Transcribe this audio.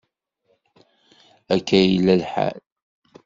Akka ay yella lḥal.